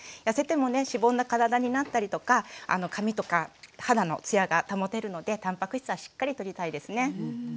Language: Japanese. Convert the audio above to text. やせてもねしぼんだ体になったりとか髪とか肌のつやが保てるのでたんぱく質はしっかりとりたいですね。